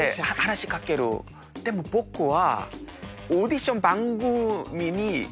でも僕は。